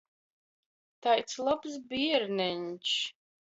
Taids lobs bierneņš!